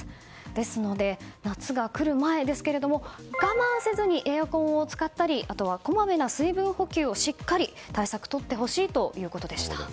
ですので、夏が来る前ですけれど我慢せずにエアコンを使ったりこまめな水分補給をしっかり対策してほしいということでした。